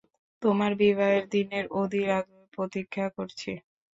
তোমার বিবাহের দিনের অধীর আগ্রহে প্রতীক্ষা করছি।